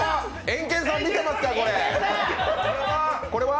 エンケンさん見てますか、これは？